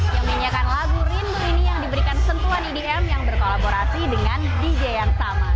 yang menyanyiakan lagu rindu ini yang diberikan sentuhan edm yang berkolaborasi dengan dj yang sama